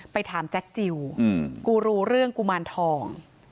ไปถามแจ็คจิลกูรู้เรื่องกุมารทอง